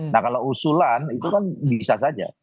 nah kalau usulan itu kan bisa saja